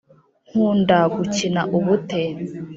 nkunda gukina ubute.